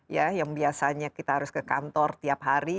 ya yang biasanya kita harus ke kantor tiap hari